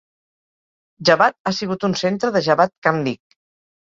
Javad ha sigut un centre de Javad Khanlig.